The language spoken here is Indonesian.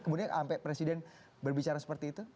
kemudian sampai presiden berbicara seperti itu